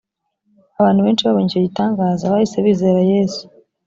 abantu benshi babonye icyo gitangaza bahise bizera yesu